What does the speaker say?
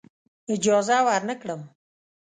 اجازه ورنه کړم.